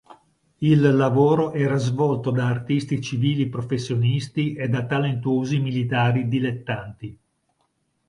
Il lavoro era svolto da artisti civili professionisti e da talentuosi militari dilettanti.